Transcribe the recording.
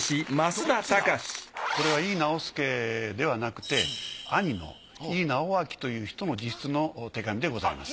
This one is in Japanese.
これは井伊直弼ではなくて兄の井伊直亮という人の自筆の手紙でございます。